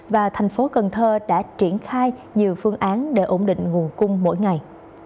và thành phố cần thơ đã triển khai nhiều phương án để ổn định nguồn cung mỗi ngày